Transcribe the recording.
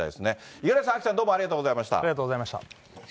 五十嵐さん、アキさん、どうもありがとうございました。